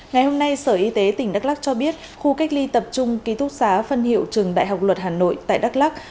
ngày hôm nay sở y tế tỉnh đắk lắc cho biết khu cách ly tập trung ký túc xá phân hiệu trường đại học luật hà nội tại đắk lắc